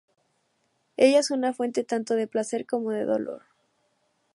Ella es una fuente tanto de placer como de dolor.